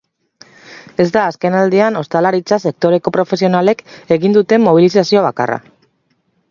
Ez da azken aldian ostalaritza sektoreko profesionalek egin duten mobilizazio bakarra.